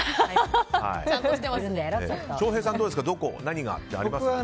翔平さんはどうですか？